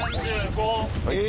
え！